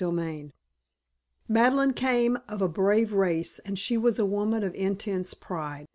XXV Madeleine came of a brave race and she was a woman of intense pride.